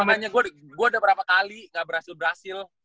makanya gue udah berapa kali nggak berhasil berhasil